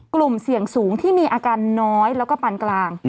กลุ่มเสี่ยงสูงที่มีอาการน้อยแล้วก็ปันกลาง